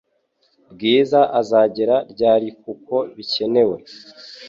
Bwiza azagera ryarikuko bikenewe